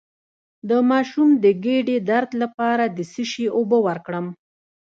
د ماشوم د ګیډې درد لپاره د څه شي اوبه ورکړم؟